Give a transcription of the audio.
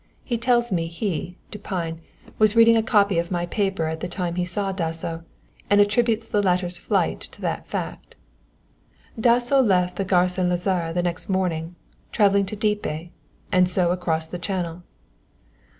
He tells me he (Dupine) was reading a copy of my paper at the time he saw Dasso, and attributes the latter's flight to that fact._ "_Dasso left the Gare St. Lazare the next morning, travelling to Dieppe, and so across the Channel.